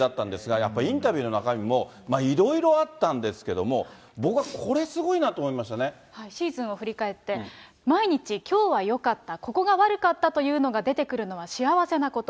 やっぱり、インタビューの中にもいろいろあったんですけど、僕はこれ、シーズンを振り返って、毎日、きょうはよかった、ここが悪かったというのが出てくるのは幸せなこと。